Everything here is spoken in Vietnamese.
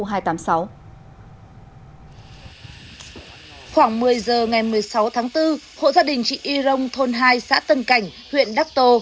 khoảng một mươi giờ ngày một mươi sáu tháng bốn hộ gia đình chị y rông thôn hai xã tân cảnh huyện đắc tô